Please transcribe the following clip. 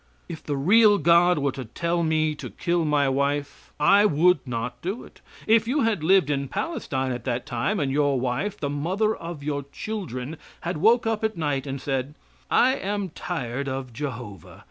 If the real God were to tell me to kill my wife, I would not do it. If you had lived in Palestine at that time, and your wife the mother of your children had woke up at night and said "I am tired of Jehovah.